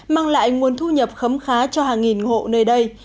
mang lại nguồn thu nhập khấm khá cho hàng nghìn hộ nơi đây